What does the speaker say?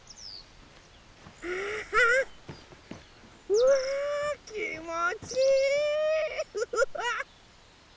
うわきもちいい！